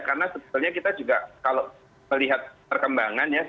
karena sebetulnya kita juga kalau melihat perkembangan ya